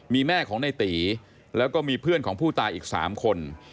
มีแม่ของในตีแล้วก็มีเพื่อนของผู้ตายอีก๓คน